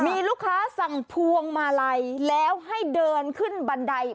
มีลูกค้าสั่งพวงมาลัยแล้วให้เดินขึ้นบันได